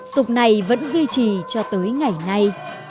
tục này vẫn duy trì cho tới ngày nay